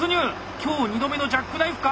今日２度目のジャックナイフか！